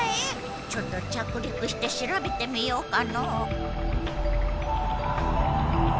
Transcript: ちょっと着陸して調べてみようかの。